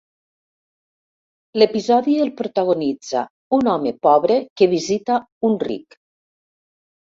L'episodi el protagonitza un home pobre que visita un ric.